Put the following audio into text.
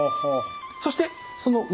そしてその上。